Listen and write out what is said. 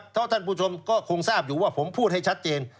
ถ้าท่านผู้ชมก็คงทราบอยู่ว่าผมพูดให้ชัดเจน